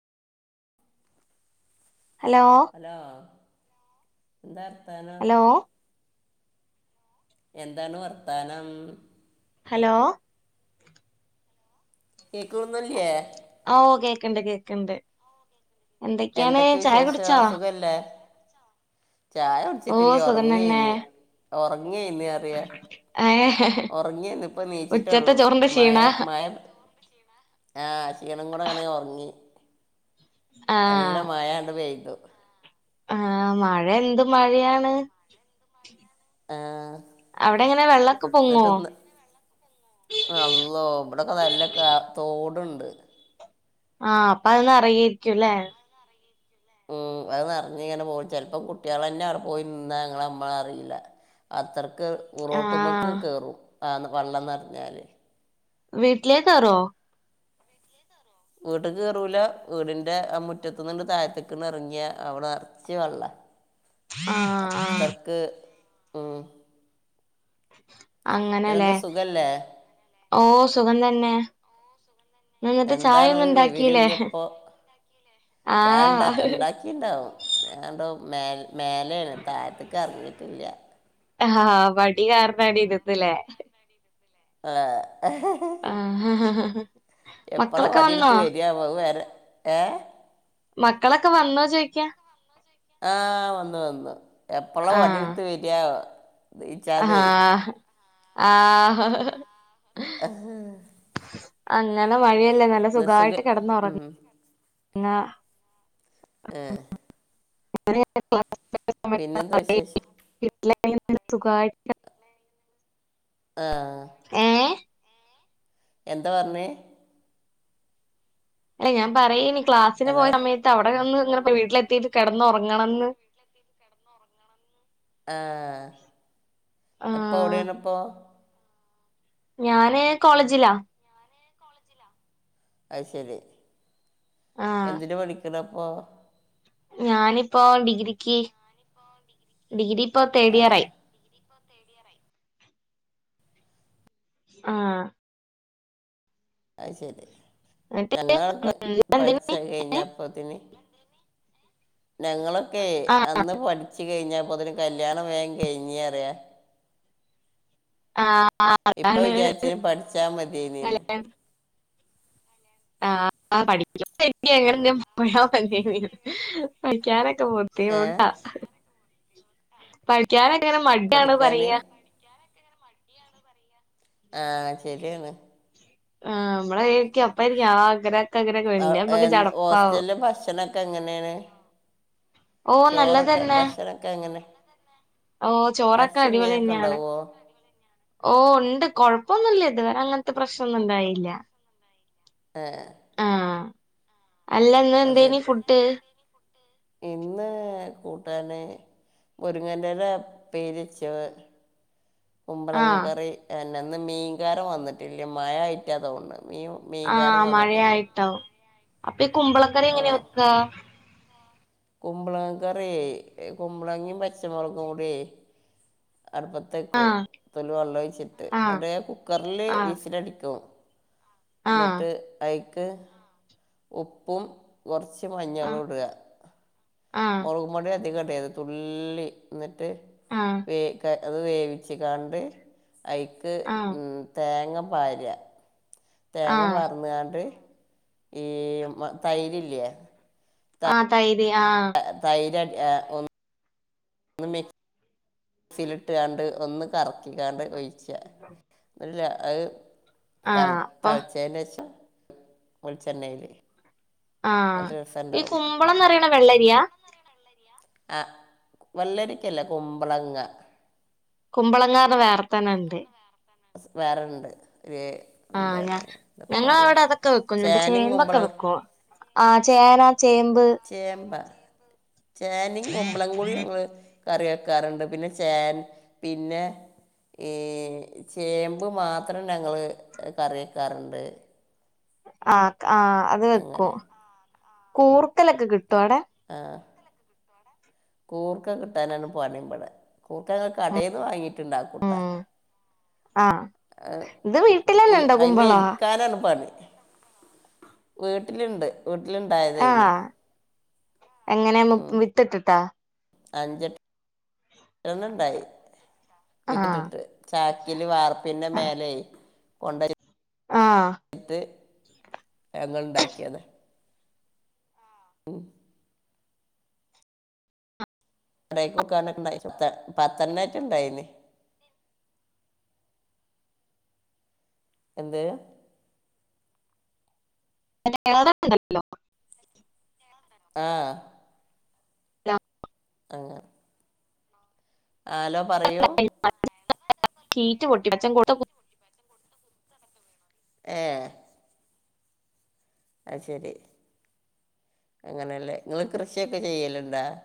Hello hello! ന്താ ർത്താനോ hello എന്താണ് വർത്താനം. ഹലോ! കേക്കൂ ന്നുല്യേ? ആ ഓ കേക്ക്ണ്ട് കേക്ക്ണ്ട്, എന്തൊ ക്യാണ് എന്തൊക്കെ ചായ വിശേഷം കുടിച്ചാ? സുഖം തന്നെ ചായൊട്ച്ചിട്ടില്യൊറങ്ങേന്ന് ഒറങ്ങേന്നി അറിയ ഏ ഒറങ്ങെന്ന് പ്പ ഉച്ചത്തെ നീച്ചിട്ടൊള്ളൂ, ചോറിന്റെ മയ ക്ഷീണ മയ ആ, ശീണം കൂടെ കൊറെ ഒർങ്ങി. ആ നല്ല മഴാണ്ട് പെയ്തു. ആ മഴെന്ത് മഴ്യാണ്? ആ വെള്ളൊക്കെ പൊങ്ങോ ന്നിട്ടന്ന്! അള്ളോ ഇവിടക്കെ നല്ല കാ തോടുണ്ട്. ആ അപ്പ അയളെ റിയയ്ക്കുംല്ലേ മ് അത് നെറ്ഞ്ഞ്ങ്ങനെ പോകും. ചെൽപ്പം കുട്ടിളന്നെ അടെ പോയി ന്നാ ങ്ങളമ്മളറീല അതർക്ക് ആ റോട്ടുമ്മക്ക് കേറും, ആ വള്ളംന്നർഞ്ഞാല്. വീട്ടിലേക്കേറോ? വീട്ടുക്ക് കേറൂലാ, വീടിന്റെ ആ മുറ്റത്തുന്ന്ണ്ട് തായത്ത്ക്ക്ണ്ടെറങ്ങ്യാ അവിടെറച്ചു വെള്ള ആ ആ അത്തർക്ക്‌ അങ്ങനെലേ, ഇതിനെന്താ സുഖല്ലേ ഓ സുഖം തന്നെ ഇന്ന് എന്നിട്ട് ചായ എന്താണ്, ഒന്നും ഒരു ഉണ്ടാക്കില്ലേ വിവരുല്ല്യപ്പൊ ആ ചായ ണ്ട ണ്ടാക്കിണ്ടാവും. ഞാൻണ്ടോ മേൽ മേലേണ്, തായത്ത് ക്കെർങ്ങീട്ടില്ല്യ. ഹ്‌ഹാ വടികാരണവിടിരുന്ന്ല്ലേ! അ്ആ [unintelligible] ആ എപ്പളാ മക്കളൊക്കെ വന്നോ വടിടുത്ത് വരിയാവോ അവേരെ ഏ മക്കളൊക്കെ വന്നോ ചോയിക്യാ ആ വന്നു വന്നു എപ്പള വടിട്ത്ത് വര്യാവോ. ഹാ... ആഹ ഹ ഹ ഹ്. അഹ്... അങ്ങനെ മഴയല്ലേ നല്ല സുഖായിട്ട് കെടന്ന് ഉറങ്ങ ഉം. ങ്ങ എ പിന്നെന്താ വിശേഷം [unintelligible] സുഖായ് ആ ഏഹ് എന്ത പർഞ്ഞേ അല്ല ഞാമ്പറയേനി ക്ലാസ്സിന് പോയ ഹലോ സമയട്ടവിടെ വന്ന് ങ്ങണ. വീട്ടിലെത്തിട്ട് കിടന്നൊറങ്ങണന്ന് ആ അപ്പൊ ആഹ് വ്ടേണ്പ്പൊ ഞാന്.. കോളേജിലാ അവ്‌സരി ആഹ് എന്തിന് പടിക്കണപ്പൊ ഞാനിപ്പോ ഡിഗ്രിക്ക് ഡിഗ്രിപ്പോ ആ തേടിയർ ആയി ആ... അഹ്ശരി എന്നിട്ട് [unintelligible] പഠിച്ച എന്തിന് വ് കഴിഞ്ഞപ്പതിന്. ഞങ്ങളൊക്കെയ് അന്ന് പഠിച്ച്. കൈഞ്ഞപ്പതിന് കല്യാണം വേഠ കഴിഞ്ഞൃറ്യ. ആ.. അ അതാണ് വിചാരിച്ചിന് പഠിച്ചാൽ മതിയെന്ന് [unintelligible] ആ പഠിക്ക [unintelligible] മുഴുവനാവണ്ടിയേനി പഠിക്കാനൊ. തോത്തി ഏ ഓട്ടാ പഠിക്ക്യാനായിട്ട് ങ്ങനെ മടിയാണ് പഠിക്കാന് പറയ ആ ശരിയാണ് ആ നമ്മളരിക്കി അപ്പായിരിക്കും ആഗ്ര അവ് എന്ത് ഹോസ്റ്റല് ഭക്ഷണക്കെ എങ്ങനെണ്. ഓ ചോറൊക്കെ നല്ലതന്നെ ഭക്ഷണക്കെ എങ്ങനെ ഓ ചോറൊക്കെ ഇറച്ചി മീനൊക്കെ അടിപൊളിന്ന്യാണ് ഉണ്ടാവുമോ ഓ ണ്ട് കൊഴ ഇപ്പൊന്നുല്ല ഇതുവരെങ്ങൻത്തെ പ്രശ്നൊന്നുണ്ടായില്ല അല്ല ഇന്ന് എന്തേനി അസരി ഫുഡ് ഇന്ന്... കൂ ത്താണ് മുരുങ്ങൻ്റെല പേര്യച് ആ ഉമ്പളങ്ങ കറി അല്ലന്ന് മീങ്കാര വന്നിട്ടില്ല മഴ ആയിറ്റാതോണ് മിം ആ മീങ്കാരൻ വന്നിട്ടില്ല ആ മഴയായിട്ടാവും മഴയ അപ്പൊ ഈ കുമ്പളക്കറി എങ്ങനെ വെക്ക കുമ്പളങ്ങ കറൈ കുമ്പളങ്ങിം പച്ചമുളകും കൂട്യയ് ആ അടുപ്പത്തെക്കും തൊള്ളി വള്ളൊയ്ച്ച്ട്ട് ആ ന്നട്ട് കുക്കർല് ആ വിസിലടിക്കും ആ ന്നട്ട് അയിക്ക് ഉപ്പും കൊർച്ച് ന്നട്ട് ആ മഞ്ഞളൂട്യ ആ മൊളുകുമ്പൊടി അധികടേര്ത് തുള്ളി ന്ന ട്ട് വേ ക അത് വേവിച്ച്കാണ്ട് അയിക്ക് ആ ഉം തേങ്ങ പാര്യാ ആ തേങ്ങ പാർന്നാണ്ട് ഈ മ തൈരില്ലേ ആ തൈര് ആ.. അ തൈര് അ ഒന്ന് ന്ന് മിക്സിൽ ഇട്ട് കാണ്ട് ഒന്ന് കറക്കിക്കാണ്ട് ഒഴി ച അത് അ അവ് തൾ ആഹ് അപ്പൊ തൾച്ചേൻ്റെശം വെൾച്ചെണ്ണേല് ആ ഈ കുമ്പളന്നറിണ് വെള്ളരിയാ അ വെള്ളരിക്കല്ല കുമ്പളങ്ങ കുമ്പളങ്ങാതെ വേറെത്തന്നെണ്ട് സ് വേറെണ്ട് ഒരു ആ ഞാ എന്താണ് എന്താപ്പ പറയാ ഞങ്ങളവിടെ അതൊക്കെ വെക്കും ചേനയും ചേമ്പൊക്കെ കുമ്പളം വെക്കും ആ ചേന ചേമ്പ് ചേമ്പ് ചേനയും കുമ്പ്ളം കൂടി ഞങ്ങള് കറി വെക്കാറുണ്ട് പിന്നെ ചേന പിന്നെ ഈ ചേമ്പ് മാത്രം ഞങ്ങള് കറിവെക്കാറുണ്ട് ആ ആ അത് വെക്കും കൂർക്കലൊക്കെ കിട്ടോ അവിടെ ആ കൂർക്ക കിട്ടാനാണ് പണി ഇബടെ കൂർക്ക ഞങ്ങള് കടയിന്ന് വാങ്ങിട്ട് ഉണ്ടാക്കൂട്ട ഉം ആഹ് ആ ഇത് ഈ വീട്ടിലന്നെ ഇണ്ടോ ഐമേ കുമ്പളം ഇര്കാനാണ് പണി വീട്ടിലുണ്ട് വീട്ടിലുണ്ടായതായിരുന്നു ആഹ് എങ്ങനെ മു ഉം വിത്തിട്ടിട്ടാ അഞ്ചെട്ടെണ്ണം ണ്ടായി ആഹ് വിത്ത്ട്ടിട്ട് ചാക്കില് വാർപ്പിന്റെ മേലെ കൊണ്ട ആ ഞങ്ങൾണ്ടാക്കിയത് ഓ കടേക്ക് [unintelligible] പ പത്തെണ്ണെറ്റെ ഇണ്ടായിനി എന്ത് [unintelligible] [unintelligible] [unintelligible] ആ ആങ്ങനെ ആലോ പറയൂ ഷീറ്റ് പൊട്ടി അച്ചൻ [unintelligible] ഏയ് അയ്ശെരി അങ്ങനെല്ലേ നിങ്ങള് കൃഷിയൊക്കെ ചെയ്യല്ണ്ടോ